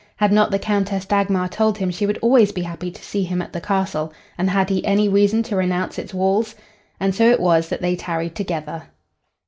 Had not the Countess Dagmar told him she would always be happy to see him at the castle, and had he any reason to renounce its walls? And so it was that they tarried together.